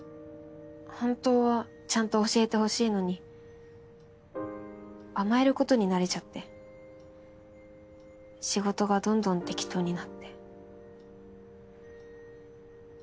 本当はちゃんと教えてほしいのに甘えることに慣れちゃって仕事がどんどん適当になって。